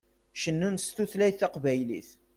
Cennun s tutlayt taqbaylit.